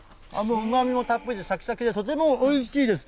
うまみもたっぷりで、しゃきしゃきで、とてもおいしいです。